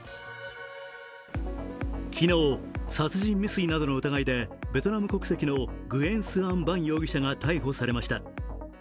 昨日、殺人未遂などの疑いでベトナム国籍のグエン・スアン・バン容疑者が逮捕されました。